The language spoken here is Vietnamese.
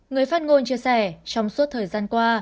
người phát ngôn chia sẻ trong suốt thời gian qua